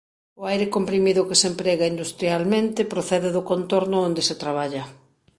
O aire comprimido que se emprega industrialmente procede do contorno onde se traballa.